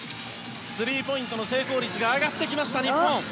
スリーポイントの成功率が上がってきた日本。